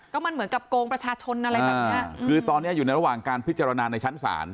ก็มันเหมือนกับโกงประชาชนอะไรแบบเนี้ยคือตอนเนี้ยอยู่ในระหว่างการพิจารณาในชั้นศาล